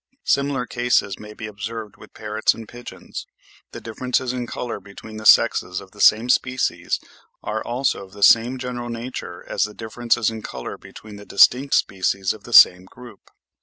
Similar cases may be observed with parrots and pigeons. The differences in colour between the sexes of the same species are, also, of the same general nature as the differences in colour between the distinct species of the same group.